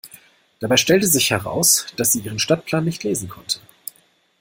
Dabei stellte sich heraus, dass sie ihren Stadtplan nicht lesen konnte.